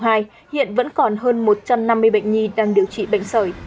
hiện vẫn còn hơn một trăm năm mươi bệnh nhi đang điều trị bệnh sởi